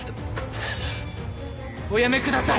おやめください！